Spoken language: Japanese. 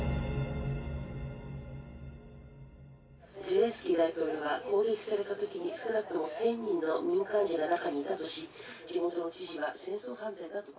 「ゼレンスキー大統領は攻撃された時に少なくとも１，０００人の民間人が中にいたとし地元の知事は戦争犯罪だと」。